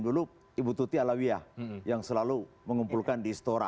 dulu ibu tuti alawiyah yang selalu mengumpulkan di istora